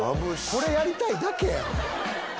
これやりたいだけやん。